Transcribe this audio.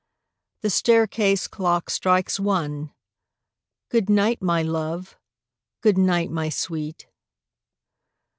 The staircase clock strikes one. Good night, my love! good night, my sweet!